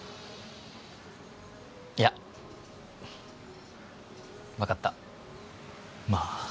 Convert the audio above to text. いや分かったまあ